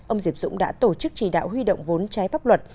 ông diệp dũng đã tổ chức chỉ đạo huy động vốn trái pháp luật